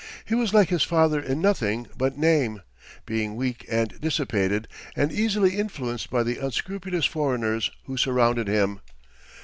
He was like his father in nothing but name, being weak and dissipated, and easily influenced by the unscrupulous foreigners who surrounded him.